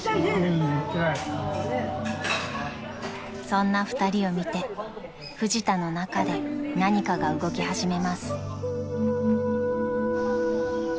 ［そんな２人を見てフジタの中で何かが動き始めます］